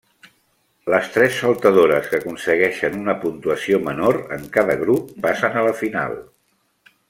Les tres saltadores que aconsegueixen una puntuació menor en cada grup passen a la final.